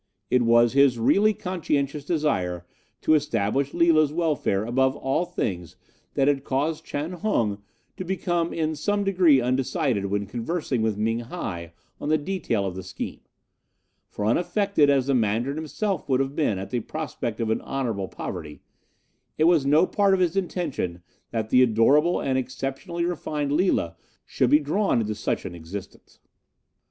"It was his really conscientious desire to establish Lila's welfare above all things that had caused Chan Hung to become in some degree undecided when conversing with Ming hi on the detail of the scheme; for, unaffected as the Mandarin himself would have been at the prospect of an honourable poverty, it was no part of his intention that the adorable and exceptionally refined Lila should be drawn into such an existence.